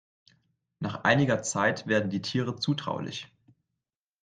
Nach einiger Zeit werden die Tiere zutraulich.